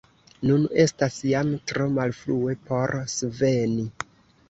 Nun estas jam tro malfrue, por sveni.